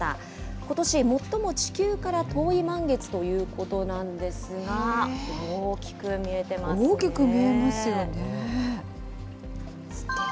ことし最も地球から遠い満月ということなんですが、大きく見えてますね。